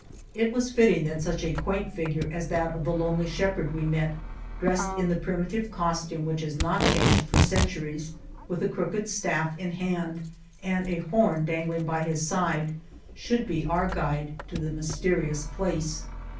It was fitting that such a quaint figure as that of the lonely shepherd we met, dressed in the primitive costume which has not changed for centuries, with the crooked staff in hand and a horn dangling by his side, should be our guide to the mysterious place.